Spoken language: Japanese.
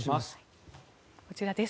こちらです。